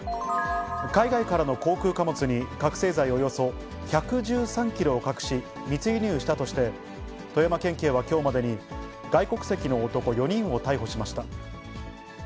海外からの航空貨物に覚醒剤およそ１１３キロを隠し、密輸入したとして、富山県警はきょうまでに外国籍の男４人を逮捕しました。